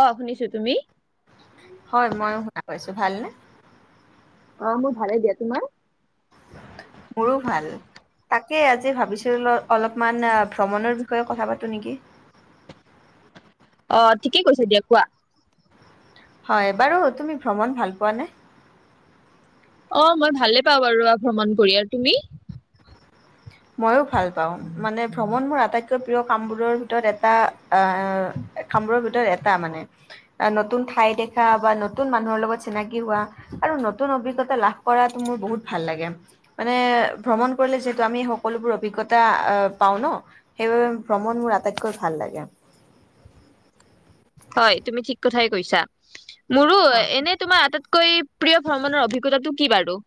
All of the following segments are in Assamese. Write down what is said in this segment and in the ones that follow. অ শুনিছো তুমি? হয় মই শুনা পাইছো ভালনে অ মোৰ ভালে দিয়া তোমাৰ মোৰো ভাল তাকে আজি ভাবিছিলো অলপমান ভ্ৰমণৰ বিষয়ে কথা পাতো নেকি অ ঠিকেই কৈছা দিয়া কোৱা হয় বাৰু তুমি ভ্ৰমণ ভাল পোৱানে অ মই ভালে পাওঁ বাৰু ভ্ৰমণ কৰি আৰু তুমি মইয়ো পাওঁ মানে ভ্ৰমণ মোৰ আটাইতকৈ প্ৰিয় কামবোৰৰ এটা আ কামৰৰ ভিতৰত এটা মানে নতুন ঠাই দেখা বা নতুন মানুহৰ লগত চিনাকি হোৱা আৰু নতুন অভিজ্ঞতা লাভ কৰাতো মোৰ বহুত ভাল লাগে মানে ভ্ৰমণ কৰিলে যিহেতু আমি সক সকলোবোৰ অভিজ্ঞতা আ পাওঁ ন সেইবাবে ভ্ৰমণ মোৰ আটাইতকৈ ভাল লাগে। হয় তুমি ঠিক কথাই কৈছা মোৰো এনে তোমাৰ আটাইত কৈ প্ৰিয় ভ্ৰমনৰ অভিজ্ঞতাটো কি বাৰু?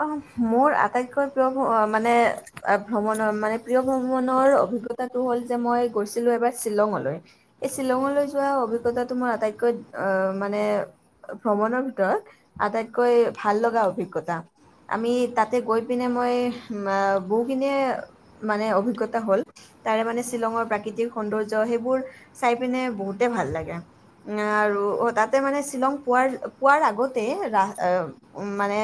অ, মোৰ আটাইতকৈ প্ৰিয় ভ মানে আ ভ্ৰমণৰ মানে প্ৰিয় ভ্ৰমণৰ অভিজ্ঞতাটো হ'ল যে মই গৈছিলো এবাৰ শ্বিলঙলৈ। এই শ্বিলঙলৈ যোৱা অভিজ্ঞতাটো মোৰ আটাইতকৈ আ মানে ভ্ৰমণৰ ভিতৰত আটাইতকৈ ভাল লগা অভিজ্ঞতা। আমি তাতে গৈ পিনে মই মা বহুখিনিয়ে মানে অভিজ্ঞতা হ'ল। তাৰে মানে শ্বিলঙৰ প্ৰাকৃতিক সৌন্দৰ্য, সেইবোৰ চাই পিনে বহুতে ভাল লাগে। আৰু তাতে মানে শ্বিলং পোৱাৰ, পোৱাৰ আগতেই ৰা এ উম মানে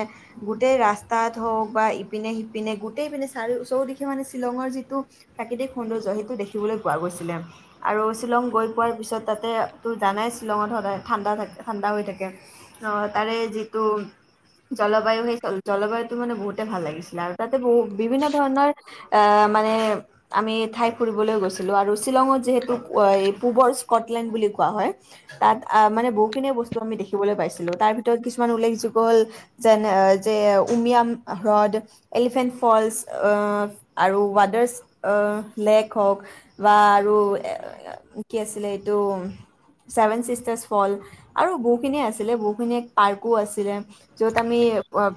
গোটেই ৰাস্তাত হওঁক বা ইপিনে-সিপিনে গোটেইপিনে চাৰিও, চৌদিশে মানে শ্বিলঙৰ যিটো প্ৰাকৃতিক সৌন্দৰ্য্য সেইটো দেখিবলৈ পোৱা গৈছিলে। আৰু শ্বিলং গৈ পোৱাৰ পিছত তাতেটো জানাই, শ্বিলঙত সদায় ঠাণ্ডা থাকে, ঠাণ্ডা হৈ থাকে। অ তাৰে যিটো জল জলবায়ু, সেই জল জলবায়ুটো মানে বহুতে ভাল লাগিছিলে আৰু তাতে বহু, বিভিন্ন ধৰণৰ আ মানে আমি ঠাই ফুৰিবলৈ গৈছিলো আৰু শ্বিলঙত যিহেতু এই পূবৰ স্কটলেণ্ড বুলি কোৱা হয়। তাত আ মানে বহুখিনিয়ে বস্তু আমি দেখিবলৈ পাইছিলো তাৰ ভিতৰত কিছুমান উল্লেখযোগ্য হ'ল যেনে, যে উমিয়াম হ্ৰদ এলিফেন্ট ফলছ অফ আৰু ৱাডাৰ্ছ অ লেক হওঁক। বা আৰু এ কি আছিলে এইটো ছেভেন চিষ্টাৰছ ফল আৰু বহুখিনিয়ে আছিলে, বহুখিনিয়ে পাৰ্কো আছিলে। য'ত আমি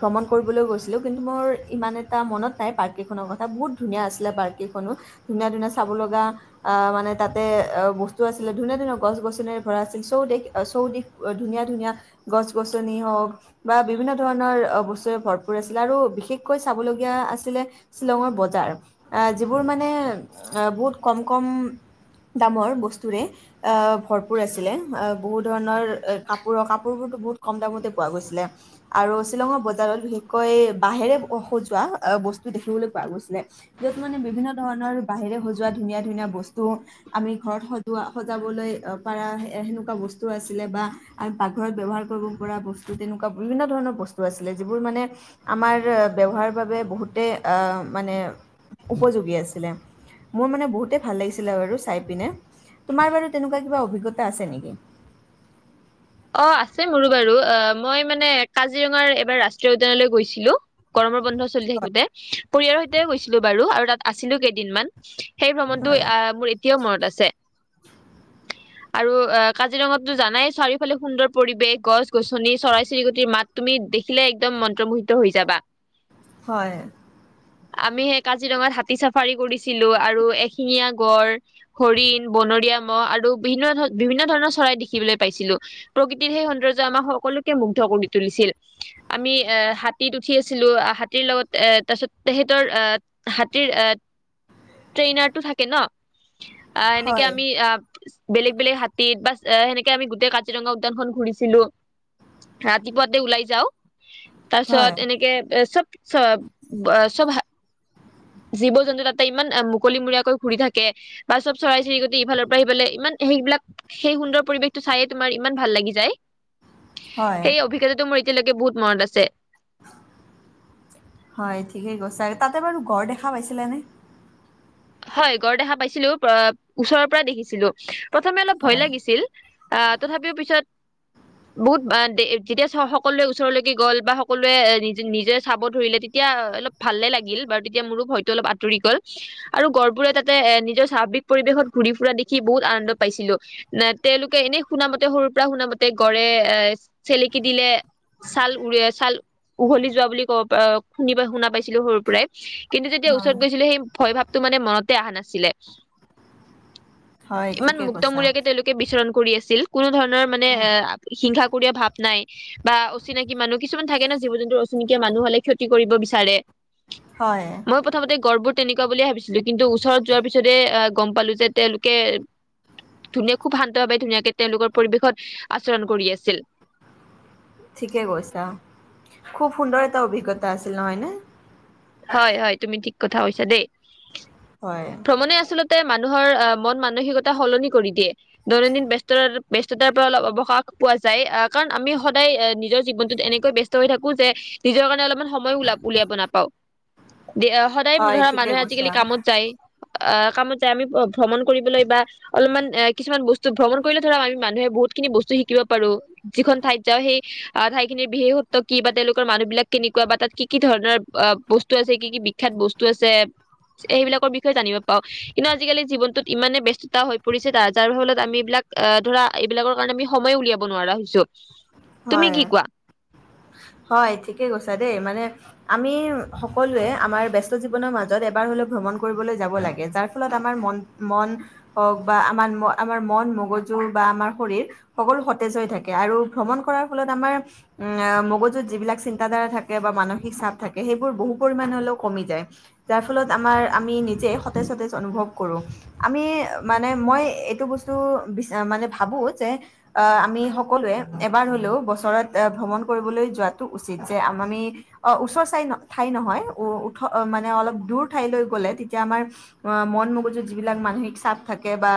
ভ্ৰমণ কৰিবলৈ গৈছিলোঁ কিন্তু, মোৰ ইমান এটা মনত নাই পাৰ্ককেইখনৰ কথা বহুত ধুনীয়া আছিলে পাৰ্ক কেইখনো ধুনীয়া ধুনীয়া চাব লগা আ, মানে তাতে আ বস্তু আছিলে ধুনীয়া ধুনীয়া গছ-গছনিৰে ভৰা আছিল চৌদিশ অ চৌদিশ অ, ধুনীয়া ধুনীয়া গছ গছনি হওঁক। বা বিভিন্ন ধৰণৰ বস্তুৱে ভৰপূৰ আছিলে আৰু বিশেষকৈ, চাবলগীয়া আছিলে শ্বিলঙৰ বজাৰ, আ যিবোৰ মানে এ বহুত কম কম দামৰ বস্তুৰে এ, ভৰপূৰ আছিলে বহু ধৰণৰ কাপোৰৰ কাপোৰবোৰতো বহুত কম দামতে পোৱা গৈছিলে। আৰু শ্বিলঙৰ বজাৰত বিশেষকৈ বাঁহেৰে সজোৱা বস্তু দেখিবলৈ পোৱা গৈছিলে। য'ত মানে বিভিন্ন ধৰণৰ বাঁহেৰে সজোৱা ধুনীয়া ধুনীয়া বস্তু। আমি ঘৰত সজোৱা সজাবলৈ পাৰা এ সেনেকুৱা বস্তু আছিলে। বা আমি পাকঘৰত ব্যৱহাৰ কৰিব পৰা বস্তু, তেনেকুৱা বিভিন্ন ধৰণৰ বস্তু আছিলে। যিবোৰ মানে আমাৰ ব্যৱহাৰৰ বাবে বহুতেই আ' মানে উপযোগী আছিলে। মোৰ মানে বহুতেই ভাল লাগিছিলে বাৰু চাই পিনে। তোমাৰ বাৰু তেনেকুৱা কিবা অভিজ্ঞতা আছে নেকি? অ, আছে মোৰো বাৰু! এ, মই মানে কাজিৰঙাৰ এবাৰ ৰাষ্ট্ৰীয় উদ্যানলৈ গৈছিলো। গৰমৰ বন্ধ চলি থাকোঁতে পৰিয়ালৰ সৈতেই গৈছিলো বাৰু! আৰু তাত আছিলোঁ কেইদিনমান। সেই ভ্ৰমণটো হয়। আহ মোৰ এ এতিয়াও মনত আছে। আৰু কাজিৰঙাতটো জানাই চাৰিও ফালে সুন্দৰ পৰিৱেশ, গছ-গছনি চৰাই-চিৰিকটিৰ মাত। তুমি দেখিলে একদম মন্ত্ৰ-মোহিত হৈ যাবা। হয়। আমি সেই কাজিৰঙাত হাতী চাফাৰী কৰিছিলোঁ, আৰু এশিঙীয়া গড়, হৰিণ, বনৰীয়া ম'হ আৰু বিভিন্ন ধৰ বিভিন্ন ধৰণৰ চৰাই দেখিবলৈ পাইছিলো। প্ৰকৃতিৰ সেই সৌন্দৰ্য্যই আমাক সকলোকে মুগ্ধ কৰি তুলিছিল। আমি এ হাতীত উঠি আছিলো, হাতীৰ লগত এ তাৰ পিছত তেহেতৰ আহ হাতীৰ ট্ৰেইনাৰটো থাকে ন? অ' এনেকে হয়। আমি অ' বেলেগ বেলেগ হাতীত বা সেনেকে আমি গোটেই ক কাজিৰঙা উদ্যানখন ঘূৰিছিলোঁ ৰাতিপুৱাতে ওলাই যাও। হয়, তাৰপিছত এনেকে এ চব চব জীৱ-জন্তু তাতে ইমান মুকলি মূৰিয়াকৈ ঘূৰি থাকে। বা চব চৰাই-চিৰিকটি ইফালৰ পৰা সিফালে ইমান সেইবিলাক সেই সুন্দৰ পৰিৱেশটো চাইয়ে তোমাৰ ইমান ভাল লাগি যায়, হয়, সেই অভিজ্ঞতাটো মোৰ এতিয়ালৈকে বহুত মনত আছে। হয় ঠিকেই কৈছা, আৰু তাতে বাৰু ঘৰ দেখা পাইছিলা নে? হয় গড় দেখা পাইছিলো, ওচৰৰ পৰা দেখিছিলো প্ৰথমে অলপ ভয় হয়, লাগিছিল। আহ তথাপিও পিছত বহুত যেতিয়া সকলোৱে ওচৰলৈকে গ'ল বা সকলোৱে নিজ নিজে চাব ধৰিলে তে তেতিয়া অলপ ভালে লাগিল বাৰু তেতিয়া মোৰো ভয়তো অলপ আঁতৰি গ'ল। আৰু গঢ়বোৰে তাতে এ নিজৰ স্বাভাৱিক পৰিৱেশত ঘূৰি ফুৰা দেখি বহুত আনন্দ পাইছিলো। নাই তেওঁলোকে এনেই শুনামতে সৰুৰ পৰা শুনা মতে গড়ে চেলেকি দিলে। ছাল উৰে, ছাল উঘলি যোৱা বুলি কব প শুনি শুনা পাইছিলো সৰুৰ পৰাই। কিন্তু যেতিয়া হয়, ওচৰত গৈছিলোঁ সেই ভয় ভাৱটো মানে মনতে অহা নাছিলে। হয় ইমান ঠিকে কৈছা। মুক্তমূৰিয়াকে তেওঁলোকে বিচৰণ কৰি আছিল কোনো ধৰণৰ মানে এ হিংসা কৰিয়া ভাৱ নাই। বা অচিনাকি মানুহ কিছুমান থাকে ন, জীৱ-জন্তুৰ অচিনাকি মানুহ হলে ক্ষতি কৰিব বিচাৰে। হয়। মই প্ৰথমতে গঢ়বোৰ তেনেকুৱা বুলিয়ে ভাবিছিলো কিন্তু ওচৰত যোৱাৰ পিছতে আহ গম পালো যে তেওঁলোকে ধুনীয়া খুব শান্তভাৱে ধুনীয়াকে তেওঁলোকৰ পৰিৱেশত আচৰণ কৰি আছিল। ঠিকে কৈছা, খুব সুন্দৰ এটা অভিজ্ঞতা আছিল নহয়নে? হয় হয়, তুমি ঠিক কথা কৈছা দেই। হয়। মানে আচলতে মানুহৰ অ' মন মানসিকতা সলনি কৰি দিয়ে। দৈনন্দিন ব্যস্ততাৰ ব্যস্ততাৰ পৰা অলপ অৱকাশ পোৱা যায় আহ কাৰণ আমি সদায় নিজৰ জীৱনটোত এনেকৈ ব্যস্ত হৈ থাকো যে নিজৰ কাৰণে অলপমান সময় ওল উলিয়াব নাপাও। সদায় হয় ধৰা ঠিকে মানুহে আজিকালি কৈছা। কামত যায় আহ কামত যায় আমি ভ্ৰমণ কৰিবলৈ বা অলমান কিছুমান বস্তু ভ্ৰমণ কৰিলে ধৰক আমি মানুহে বহুতখিনি বস্তু শিকিব পাৰো। যিখন ঠাইত যাও সেই আহ ঠাই খিনিৰ বিশেষত্ব কি বা তেওঁলোকৰ মানুহ বিলাক কেনেকুৱা বা তাত কি কি ধৰণৰ অ বস্তু? বস্তু আছে কি কি বিখ্যাত বস্তু আছে সেইবিলাকৰ বিষয়ে জানিব পাওঁ কিন্তু আজিকালি জীৱনত ইমানে ব্যস্ততা হৈ পৰিছে ত যাৰ ফলত আমি এইবিলাক আহ ধৰা এইবিলাকৰ কাৰণে আমি সময় উলিয়াব নোৱাৰা হৈছো তুমি কি হয়। কোৱা? হয় ঠিকেই কৈছা দেই মানে আমি সকলোৱে আমাৰ বস্ত জীৱনৰ মাজত এবাৰ হলে ভ্ৰমণ কৰিবলৈ যাব লাগে যাৰ ফলত আমাৰ মন মন হওক বা আমাৰ আমাৰ মন মগজু বা আমাৰ শৰীৰ সকলো সতেজ হৈ থাকে আৰু ভ্ৰমণ কৰাৰ ফলত আমাৰ মগজুত যিবিলাক চিন্তাধাৰা থাকে বা মানসিক চাপ থাকে সেইবোৰ বহু পৰিমাণ হলেও কমি যায়। যাৰ ফলত আমাৰ আমি নিজে সতেজ সতেজ অনুভৱ কৰোঁ। আমি মানে মই এইটো বস্তু বিচ মানে ভাবো যে আহ আমি সকলোৱে এবাৰ হলেও বছৰত আ ভ্ৰমণ কৰিবলৈ যোৱাটো উচিত যে আমি অ ওচৰ চাই ঠাই নহয় উঠ মানে অলপ দূৰ ঠাইলৈ গলে তেতিয়া আমাৰ অ মন মগজুত যিবিলাক মানসিক চাপ থাকে বা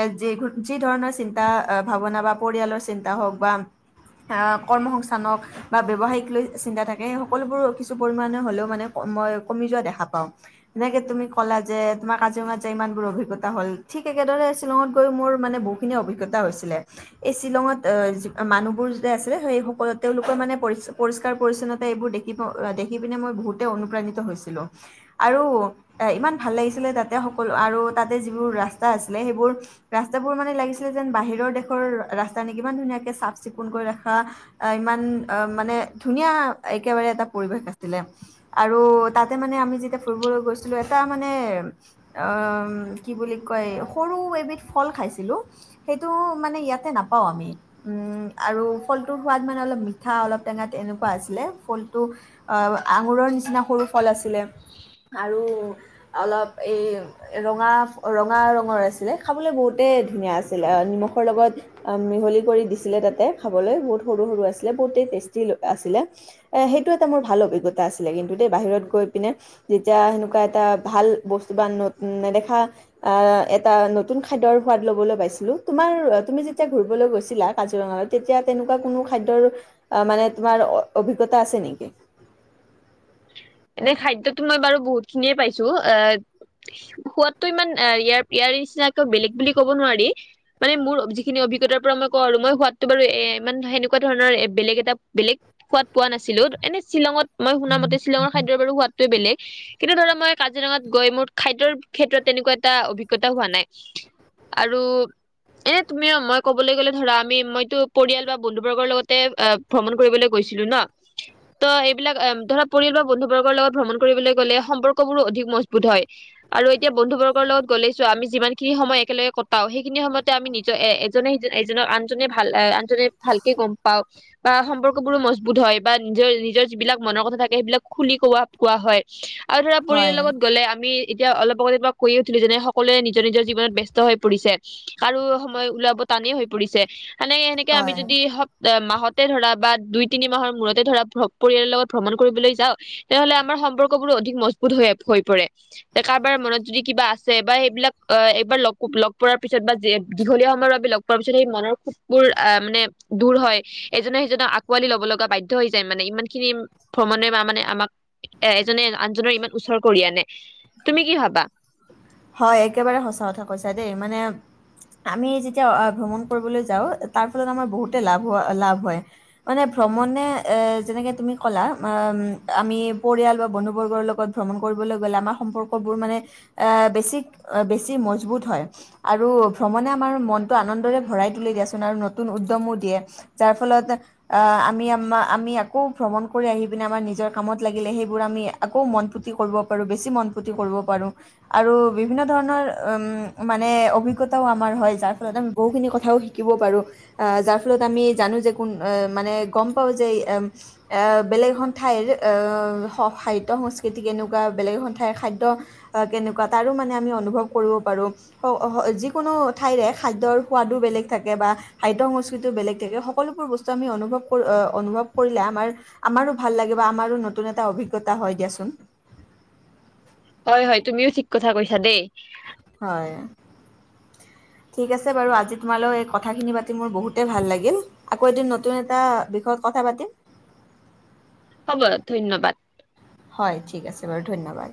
এ যি যি ধৰণৰ চিন্তা ভাৱনা বা পৰিয়ালৰ চিন্তা হওক বা আহ কৰ্মসংস্থানক বা ব্যসায়িক লৈ চিন্তা থাকে সকলোবোৰ কিছু পৰিমাণে হলেও মানে মই কমি যোৱা দেখা পাওঁ। এনেকে তুমি কলা যে তুম কাজিৰঙা যায় ইমানবোৰ অভিজ্ঞতা হল ঠিক একেদৰে শ্বিলঙত গৈ মোৰ মানে বহুত অভিজ্ঞতা হৈছিলে এই শ্বিলঙত মানুহবোৰ যদি আ সেই তেওঁলোকৰ মানে পৰিষ্কাৰ পৰিচ্ছন্তা এইবোৰ দেখিব দেখি পিনে মই বহুত যে অনুপ্ৰাণিত হৈছিলোঁ। আৰু ইমান ভাল লাগিছিলে তাতে সকলো আৰু তাতে যিবোৰ ৰাস্তা আছিলে সেইবোৰ ৰাস্তাাবোৰ মানে লাগিছিলে যেন বাহিৰৰ দেশৰ ৰাস্তা নে কিমান ধুনীয়াকে চাফ চিকুণ কৰি ৰাখ ইমান অ মানে ধুনীয়া একেবাৰে এটা পৰিৱেশ আছিলে আৰু তাতে আমি যেতিয়া ফুৰিবলৈ এটা মানে কি কয় সৰু এবিধ ফল খাইছিলোঁ। সেইটো মানে ইয়াতে নাপাওঁ আমি উম আৰু ফলটোৰ সোৱাদ মানে অলপ মিঠা অলপ টেঙা তে এনেকুৱা আছিলে ফলটো আঙুৰৰ নিচিনা সৰু ফল আছিলে আৰু অলপ এই ৰঙা ৰঙা ৰঙৰ আছিলে খাবলৈ বহুতেই ধুনীয়া আছিলে নিমখৰ লগত। মিহলি কৰি দিছিলে তাতে খাবলৈ বহুত সৰু সৰু আছিলে বহুতেই টেষ্টি আছিলে সেইটো এটা মোৰ ভাল অভিজ্ঞতা আছিলে কিন্তু দেই বাহিৰত গৈ পিনে যেতিয়া সেনেকুৱা এটা বা নেদেখা আহ এটা নতুন খাদ্যৰ সোৱাদ লবলৈ পাইছিলো তোমাৰ তুমি যেতিয়া ঘুৰিবলৈ গৈছিলা কাজিৰঙাত তেতিয়া তেনেকুৱা কোনো খাদ্যৰ মানে তোমাৰ অ অভিজ্ঞতা আছে নেকি? এনে খাদ্যতো মই বাৰু বহুত খিনিয়ে পাইছো অ সোৱাদটো ইমান ইয়াৰ ইয়াৰ নিচিনাকৈ বেলেগ বুলি কব নোৱাৰি মানে মোৰ যিখিনি অভিজ্ঞতাৰ পৰা মই কওঁ আৰু মই সোৱাতটো বাৰু এ ইমান সেনেকুৱা ধৰণৰ এ বেলেগ এটা বেলেগ সোৱাদ পোৱা নাছিলো এনে শ্বিলঙত মই শুনাাম মতে শ্বিলঙৰ খাদ্যৰ বাৰু সোৱাদটোৱে বেলেগ কিন্তু ধৰা মই কাজিৰঙাত গৈ মোৰ খাদ্যৰ ক্ষেত্ৰত তেনেকুৱা এটা অভিজ্ঞতা হোৱা নাই। আৰু এ অ কবলৈ গলে ধৰা আমি মইতো পৰিয়াল বা বন্ধু বৰ্গৰ লগতে অ ভ্ৰমণ কৰিবলৈ গৈছিলো ন [inaudible] ত এইবিলাক ধৰা পৰিয়াল বা বন্ধু বৰ্গৰ লগত ভ্ৰমণ কৰিবলে গলে সম্পৰ্কবোৰো অধিক মজবুত হয় আৰু এতিয়া বন্ধু বৰ্গৰ লগত গ'লেছো আমি যিমান খিনি সময় একেলগে কটাও সেইখিনি সময়তে আমি নি এ এজনে সিজন এজনক আনজনে ভাল আ জনে ভালকে গম পাওক বা সম্পৰ্ক বোৰো মজবুত হয় বা নিজৰ নিজৰ যিবিলাক মনৰ কথা থাক কে সেইবিলাক খুলি কোৱা কোৱা হয় আৰু ধৰা হয় পৰিয়ালৰ লগত গ'লে আমি এতিয়া অলপ আগতে তোমাক কৈয় উঠিলো যেনে সকলোৱে নিজৰ নিজৰ জীৱনত ব্যত হৈ পৰিছে কাৰু সময় উওলাব টানেই হৈ পৰিছে মানে এনেকে আমি হয় যদি অ মাহতে ধৰা বা দুই তিনি মাহৰ মূৰতে ধৰা ভ্ৰ পৰিয়ালৰ লগত ভ্ৰমণ কৰিবলৈ যাওঁ তেনেহলে আমাৰ সম্পৰ্ক বোৰো অধিক মজবুত হৈ হৈ পৰে কাৰবাৰ মনত যদি কিবা আছে বা সেইবিলাক এইবাৰ লগ পোৱাৰ পিছত বা দীঘলীয়া সময়ৰ বাবে লগ পোৱাৰ পিছত সেই মনৰ খুবোৰ আহ মানে দূৰ হয় এজনে সিজনক আকোৱালি লব লগা বাধ্য হৈ যায় মানে ইমান খিনি ভ্ৰমণে বা মানে আমাক এ এজনে আনজনৰ ইমান ওচৰ কৰি আনে। তুমি কি ভাবা? হয় একেবাৰে সঁচা কথা কৈছা দেই মানে আমি যেতিয়া আহ ভ্ৰমণ কৰিবলৈ যাওঁ তাৰ ফলত আমাৰ বহুতে লাভ হোৱা লাভ হয় মানে ভ্ৰমণে এ যেনেকে তুমি ক'লা আমি পৰিয়াল বা বন্ধুবৰ্গৰ লগত ভ্ৰমণ কৰিবলৈ গ'লে আমাৰ সম্পৰ্কবোৰ মানে এ বেছি বেছি মজবুত হয় আৰু ভ্ৰমণে আমাৰ মনটো আনন্দৰে ভৰাই তুলে দিয়াচোন আৰু নতুন উদ্যমো দিয়ে যাৰ ফলত আহ আমি আম আমি আকৌ ভ্ৰমণ কৰি আহি পিনে আমাৰ নিজৰ কামত লাগিলে সেইবোৰ আমি আকৌ মন পুতি কৰিব পাৰো বেছি মন পুতি কৰিব পাৰোঁ আৰু বিভিন্ন ধৰণৰ উম মানে অভিজ্ঞতাও আমাৰ হয় যাৰ ফলত আমি বহুখিনি কথাও শিকিব পাৰো আহ যাৰ ফলত আমি জানো যে কোন মানে গম পাওঁ যে এম এ বেলেগ এখন ঠাইৰ খাদ্য সংস্কৃতি কেনেকুৱা বেলেগ এখন ঠাইৰ খাদ্য অ কেনেকুৱা তাৰো মানে আমি অনুভৱ কৰিব পাৰো যিকোনো ঠাইৰে খাদ্যৰ সোৱাদো বেলেগ থাকে বা খাদ্য সংস্কৃতিও বেলেগ থাকে সকলোবোৰ বস্তু আমি অনুভৱ অনুভৱ কৰিলে আমাৰ আমাৰো ভাল লাগিব বা আমাৰো নতুন এটা অভিজ্ঞতা হয় দিয়াচোন হয় হয় তুমিও ঠিক কথা কৈছা দেই হয় ঠিক আছে বাৰু আজি তোমালৈ কথাখিনি পাতি মোৰ বহুতেই ভাল লাগিল আকৌ এদিন নতুন এটা বিষয়ত কথা পাতিম হ'ব ধন্যবাদ হয় ঠিক আছে বাৰু ধন্যবাদ